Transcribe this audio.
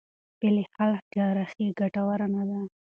بې له حل جراحي ګټوره نه ده.